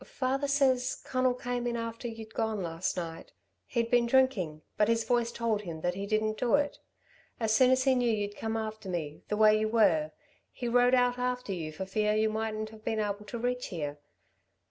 "Father says, Conal came in after you'd gone last night. He'd been drinking, but his voice told him that he didn't do it. As soon as he knew you'd come after me, the way you were, he rode out after you for fear you mightn't have been able to reach here.